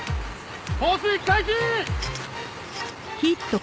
放水開始！